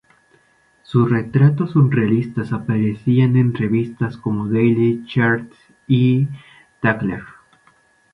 Sus retratos surrealistas aparecían en revistas como "Daily Sketch" y "Tatler".